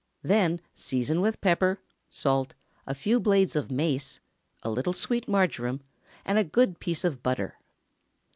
Then season with pepper, salt, a few blades of mace, a little sweet marjoram, and a good piece of butter.